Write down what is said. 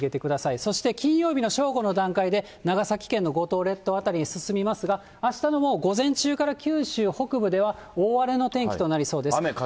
そして金曜日の正午の段階で、長崎県の五島列島辺りに進みますが、あしたの午前中から九州北部では大荒れの天気となりそうです。